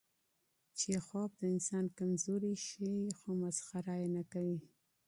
چیخوف د انسان کمزوري ښيي، خو مسخره یې نه کوي.